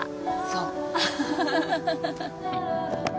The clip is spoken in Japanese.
そう。